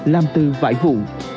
lam tư vải vụ